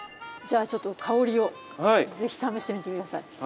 じゃあちょっと香りを是非試してみて下さい。